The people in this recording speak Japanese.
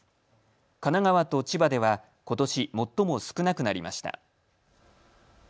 神奈川と千葉ではことし最も少なくなりました。